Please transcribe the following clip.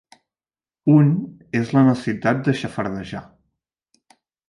Un és la necessitat de xafardejar.